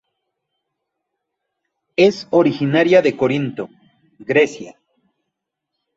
Es originaria de Corinto, Grecia.